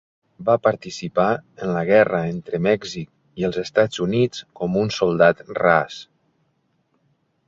Va participar en la Guerra entre Mèxic i els Estats Units com un soldat ras.